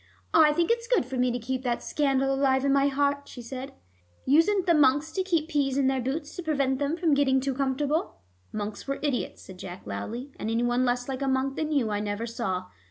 "I think it's good for me to keep that scandal alive in my heart," she said. "Usen't the monks to keep peas in their boots to prevent them from getting too comfortable?" "Monks were idiots," said Jack loudly, "and any one less like a monk than you, I never saw.